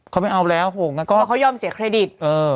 เขาไม่เอาแล้วผมแล้วก็เขายอมเสียเครดิต